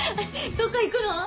どっか行くの？